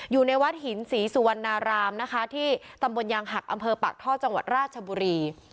อยู่ในวัดหินศรีสุวรรณารามนะคะที่ตำบลยางหักอำเภอปากท่อจังหวัดราชบุรี